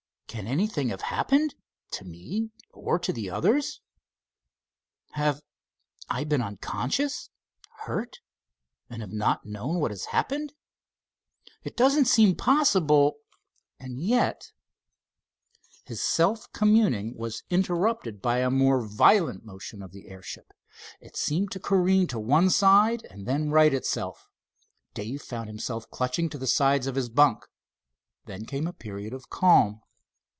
Can anything have happened—to me—or the others? Have—I been unconscious—hurt—and not have known what has happened? It doesn't seem possible, and yet——" His self communing was interrupted by a more violent motion of the airship. It seemed to careen to one side, and then right itself. Dave found himself clutching the sides of his bunk. Then came a period of calm.